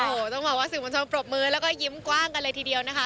โอ้โหต้องบอกว่าสื่อมวลชนปรบมือแล้วก็ยิ้มกว้างกันเลยทีเดียวนะคะ